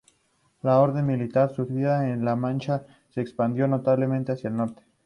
La orden militar surgida en la Mancha, se expandió notablemente hacia el norte.